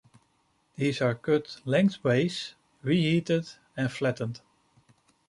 These are cut lengthways, reheated, and flattened.